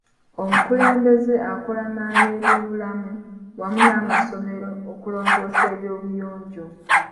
Omukulembeze akola n'abebyobulamu wamu n'amasomero okulongoosa eby'obuyonjo.